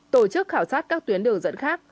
tổ chức khảo sát các tuyến đường dẫn khác